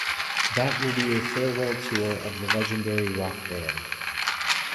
That will be a farewell tour of the legendary rock-band.